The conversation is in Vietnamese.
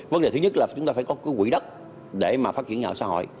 vấn đề thứ nhất là chúng ta phải có quỹ đất để phát triển nhà ở xã hội